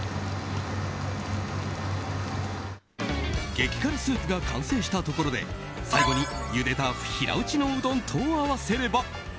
激辛スープが完成したところで最後にゆでた平打ちのうどんと合わせれば。